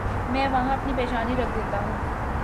میں وہاں اپنی پیشانی رکھ دیتا ہوں۔